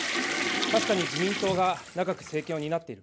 確かに自民党が長く政権を担っている。